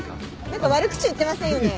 何か悪口言ってませんよね？